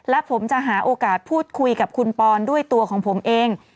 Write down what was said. และผมจะหาโอกาสพูดคุยกับคุณปอนด้วยตัวของผมเอง